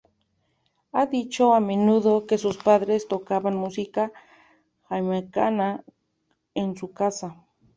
Ha dicho a menudo que sus padres tocaban música jamaicana en su casa.